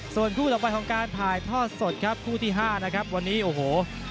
ส่วนคู่ต่อไปของการถ่ายทอดสดครับคู่ที่๕นะครับวันนี้โอ้โห